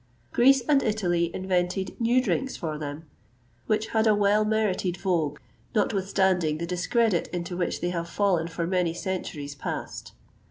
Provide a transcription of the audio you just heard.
Greece and Italy invented new drinks for them, which had a well merited vogue, notwithstanding the discredit into which they have fallen for many centuries past.